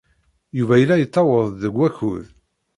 Yuba yella yettaweḍ-d deg wakud.